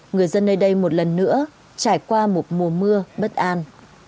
người dân nơi đây một lần nữa trải qua một mùa mưa bất an